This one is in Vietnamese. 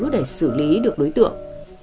để xử lý được đối tượng